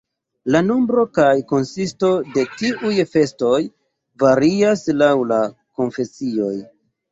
La nombro kaj konsisto de tiuj festoj varias laŭ la konfesioj.